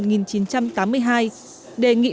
đề nghị micronesia